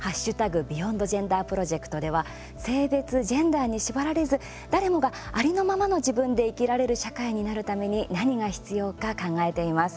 ＢｅｙｏｎｄＧｅｎｄｅｒプロジェクトでは性別、ジェンダーに縛られず誰もが、ありのままの自分で生きられる社会になるために何が必要か考えています。